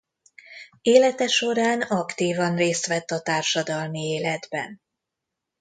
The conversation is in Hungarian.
Élete során aktívan részt vett a társadalmi életben.